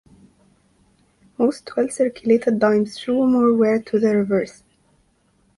Most well-circulated dimes show more wear to the reverse.